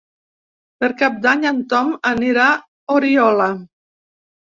Per Cap d'Any en Tom anirà a Oriola.